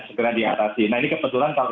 segera diatasi nah ini kebetulan kalau